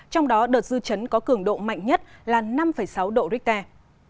trong đó đợt dư chấn có cường độ mạnh nhất là năm sáu độ richter